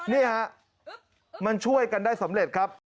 นี่ฮะมันช่วยกันได้สำเร็จครับ